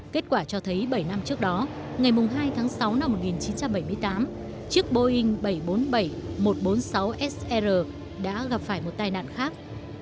kết quả cho thấy bảy năm trước đó ngày hai tháng sáu năm một nghìn chín trăm bảy mươi tám chiếc boeing bảy trăm bốn mươi bảy một trăm bốn mươi sáu sr đã gặp phải một tai nạn khác